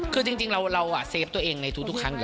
คือจริงเราเซฟตัวเองในทุกครั้งอยู่